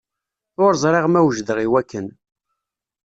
Ur ẓriɣ ma wejdeɣ i wakken.